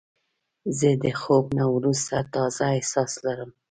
زه د خوب نه وروسته تازه احساس لرم.